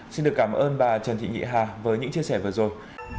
xin được cảm ơn bà trần thị nhị hà với những chia sẻ vừa rồi